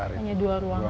hanya dua ruangan